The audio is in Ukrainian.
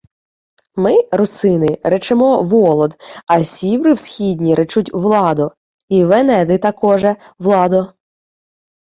— Ми, русини, речемо Волод, а сіври всхідні речуть Владо. Й венеди такоже Владо.